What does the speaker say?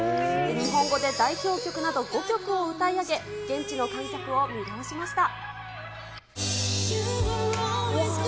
日本語で代表曲など５曲を歌い上げ、現地の観客を魅了しました。